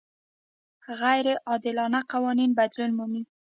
غیر عادلانه قوانین بدلون مومي.